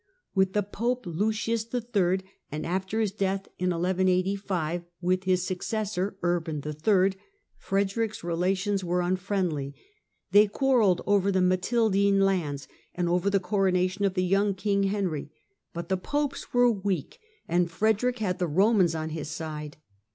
With the Pope, Lucius III., and, after his death in 1185, with his successor Urban III., Frederick's relations were un friendly. They quarrelled over the Matildine lands and over the coronation of the young king Henry, but the Popes were weak and Frederick had the Komans on his side.